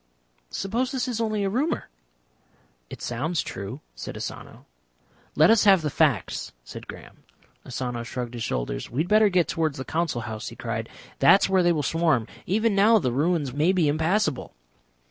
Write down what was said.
"Suppose this is only a rumour?" "It sounds true," said Asano. "Let us have the facts," said Graham. Asano shrugged his shoulders. "We had better get towards the Council House," he cried. "That is where they will swarm. Even now the ruins may be impassable."